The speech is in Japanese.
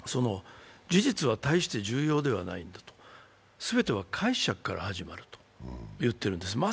事実は大して重要ではないんだと、全ては解釈から始まると言っているんです。